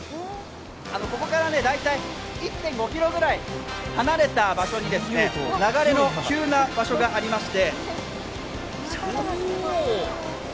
ここから大体１．５ｋｍくらい離れた場所に流れの急な場所がありまして。